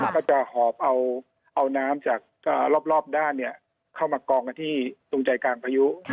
ก็จะหอบเอาน้ำจากรอบด้านเข้ามากองกันที่ตรงใจกลางพายุ